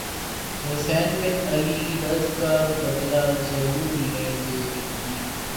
حسین بن علی رض کا بدلہ ضرور لیں گے انکی